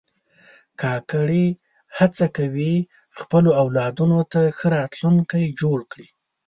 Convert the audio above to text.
کاکړي هڅه کوي خپلو اولادونو ته ښه راتلونکی جوړ کړي.